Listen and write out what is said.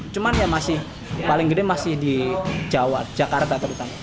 cuman yang paling gede masih di jakarta